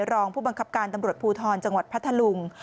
รองผู้บังคับการตำรวจภูทรจังหวัดพัทธลุง